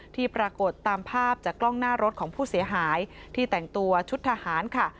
ที่ปรากฏตามภาพจากกล้องหน้ารถของผู้เสียหายที่แต่งตัวชุดทหารค่ะ